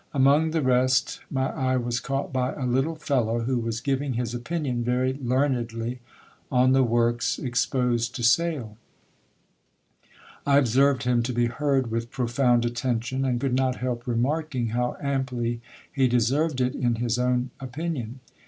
Among the rest my eye was caught by a little fellow, who was giving his opinion very learnedly on the works exposed to sale. I observed him to be heard with profound attention, and could not help remarking how amply he deserved it in his own opinion.